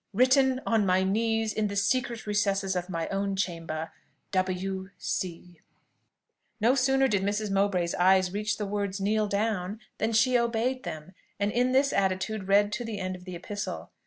"Written on my knees in the secret recesses of my own chamber W. C." No sooner did Mrs. Mowbray's eye reach the words "kneel down," than she obeyed them, and in this attitude read to the end of the epistle.